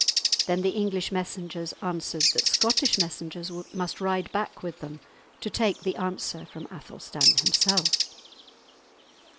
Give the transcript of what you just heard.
Then the English messengers answered that Scottish messengers must ride back with them, to take the answer from Athelstan himself.